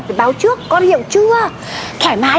phạm pháp luật đấy